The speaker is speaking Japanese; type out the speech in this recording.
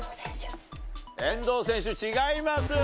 遠藤選手違います。